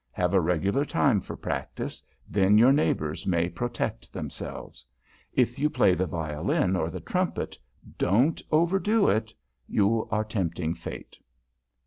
Have a regular time for practice; then your neighbors may protect themselves. If you play the violin or the trumpet, don't overdo it; you are tempting Fate.